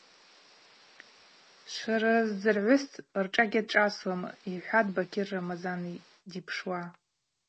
Шврыздзыргӏвыстӏ – ршӏа гьашӏасуам, – йхӏватӏ Бакьыр Рамазан дипшуа.